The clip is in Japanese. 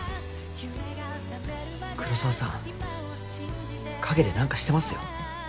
黒澤さん影で何かしてますよ。